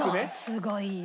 すごいよ。